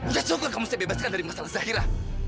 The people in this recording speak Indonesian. udah syukur kamu saya bebaskan dari masalah zahira